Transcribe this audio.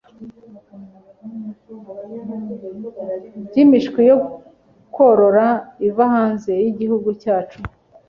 ry’imishwi yo korora iva hanze y’igihugu cyacu